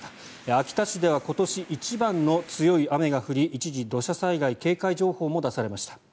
秋田市では今年一番の強い雨が降り一時、土砂災害警戒情報も出されました。